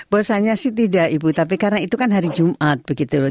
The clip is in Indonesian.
bosannya sih tidak ibu tapi karena itu kan hari jumat begitu loh